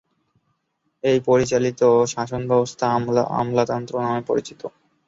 এই পরিচালিত শাসন ব্যবস্থা আমলাতন্ত্র নামে পরিচিত।